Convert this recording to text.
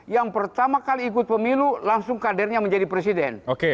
yang pertama kali ikut pemilu langsung kadernya menjadi presiden